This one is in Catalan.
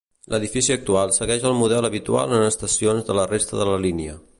L'edifici actual segueix el model habitual en estacions de la resta de la línia.